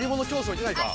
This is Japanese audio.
いけないか？